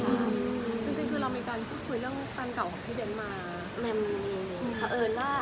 จริงคือเรามีการคุยเรื่องแฟนเก่าของพี่เด้นมา